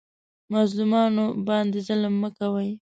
مظلومانو باندې ظلم مه کوئ